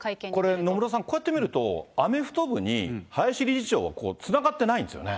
これ、野村さん、こうやって見ると、アメフト部に林理事長はつながってないんですよね。